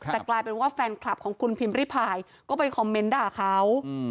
แต่กลายเป็นว่าแฟนคลับของคุณพิมพ์ริพายก็ไปคอมเมนต์ด่าเขา